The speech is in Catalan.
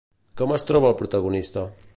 Com es troba el protagonista?